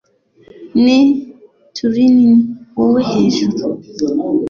ni turnin 'wowe hejuru